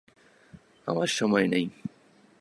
আমার সময় নাই।